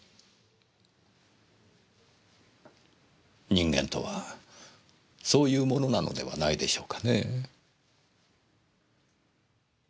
人間とはそういうものなのではないでしょうかねぇ。